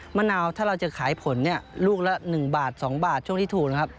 มะนาวถ้าเราจะขายผลลูกละ๑๒บาทช่วงที่ถูก